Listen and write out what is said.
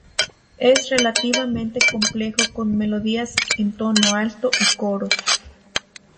Es relativamente complejo con melodías en tono alto y coros.